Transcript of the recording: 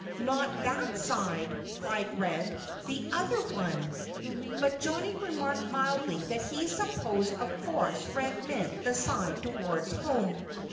"Not that side!" cried Red. "The other one!" But Johnnie remarked mildly that he supposed of course Red meant the side towards home.